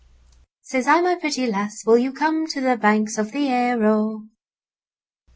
Says I, My pretty lass, will you come to the banks of the Aire oh?